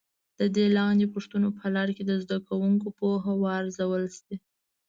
د دې لاندې پوښتنو په لړ کې د زده کوونکو پوهه وارزول شي.